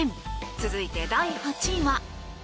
続いて、第８位は。